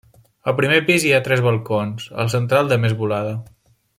Al primer pis hi ha tres balcons, el central de més volada.